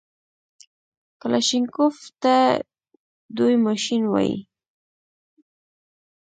کلاشينکوف ته دوى ماشين وايي.